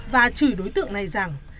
và chửi đối tượng này rằng